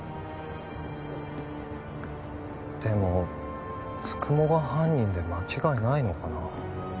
でも九十九が犯人で間違いないのかな